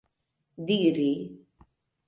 diri